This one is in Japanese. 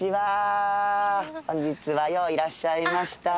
本日はよういらっしゃいました。